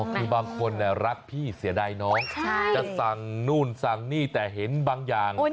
คือบางคนรักพี่เสียดายน้องจะสั่งนู่นสั่งนี่แต่เห็นบางอย่าง